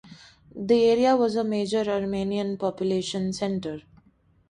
The area was a major Armenian population center.